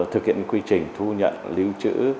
thực hiện quy trình thu nhận lưu trữ